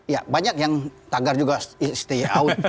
ya banyak yang tagar juga stay out